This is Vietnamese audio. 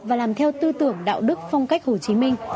và làm theo tư tưởng đạo đức phong cách hồ chí minh